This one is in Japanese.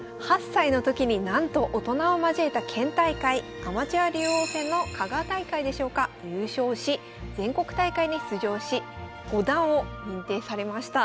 ８歳の時になんと大人を交えた県大会アマチュア竜王戦の香川大会でしょうか優勝し全国大会に出場し五段を認定されました。